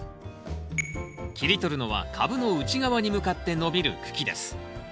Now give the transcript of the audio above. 切り取るのは株の内側に向かって伸びる茎です。